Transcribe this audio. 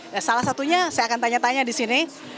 nah salah satunya saya akan tanya tanya di sini